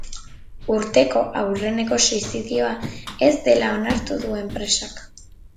Urteko aurreneko suizidioa ez dela onartu du enpresak.